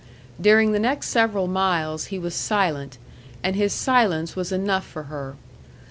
During the next several miles he was silent, and his silence was enough for her.